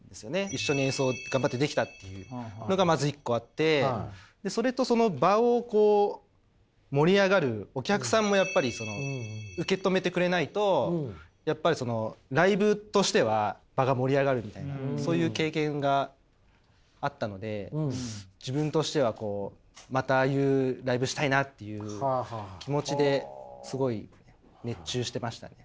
一緒に演奏頑張ってできたっていうのがまず一個あってそれとその場をこう盛り上がるお客さんもやっぱり受け止めてくれないとやっぱりそのライブとしては場が盛り上がるみたいなそういう経験があったので自分としてはこうまたああいうライブしたいなっていう気持ちですごい熱中してましたね。